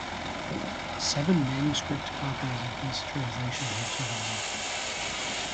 Seven manuscript copies of this translation have survived.